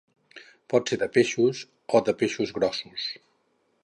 Pot ser de peixos o de peixos grossos.